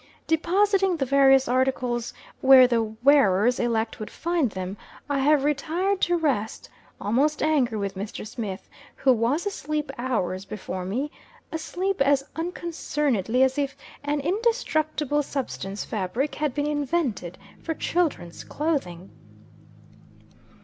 Depositing the various articles where the wearers elect would find them, I have retired to rest; almost angry with Mr. Smith, who was asleep hours before me asleep as unconcernedly as if an indestructible substance fabric had been invented for children's clothing.